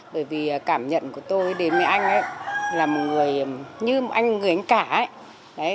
bởi vì cảm nhận của tôi đến với anh ấy là một người như một người anh cả ấy